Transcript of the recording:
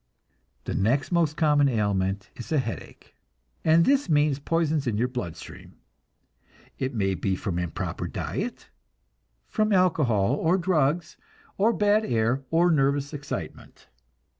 The next most common ailment is a headache, and this means poisons in your blood stream. It may be from improper diet, from alcohol, or drugs, or bad air, or nervous excitement.